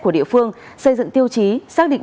của địa phương xây dựng tiêu chí xác định